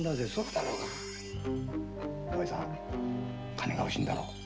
お前さん金が欲しいんだろう？